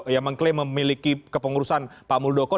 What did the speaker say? yang mengklaim memiliki kepengurusan pak muldoko